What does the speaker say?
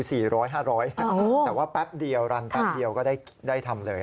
แต่ว่าแป๊บเดียวก็ได้ทำเลย